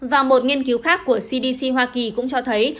và một nghiên cứu khác của cdc hoa kỳ cũng cho thấy